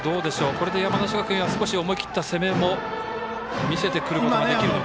これで山梨学院は少し思い切った攻めを見せてくることができるのか。